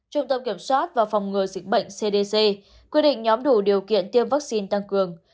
trung tâm kiểm soát và phòng ngừa dịch bệnh cdc quy định nhóm đủ điều kiện tiêm vaccine tăng cường